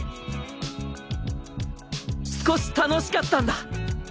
［少し楽しかったんだ！］